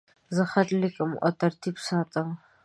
زه خط لیکم او ترتیب ساتم.